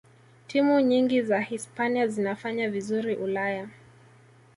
timu nyingi za hispania zinafanya vizuri ulaya